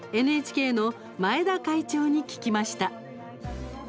ＮＨＫの前田会長に聞きました。